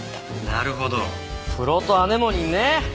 なるほどプロトアネモニンね！